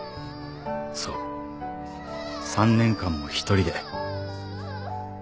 「そう『３年間も一人で』」